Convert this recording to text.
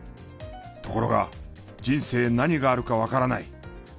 ところが人生何があるかわからない！